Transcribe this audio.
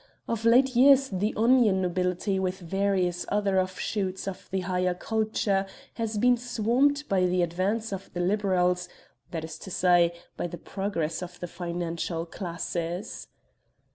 Of late years the 'onion nobility,' with various other offshoots of the higher culture, has been swamped by the advance of the liberals, that is to say, by the progress of the financial classes.